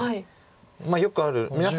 よくある皆さん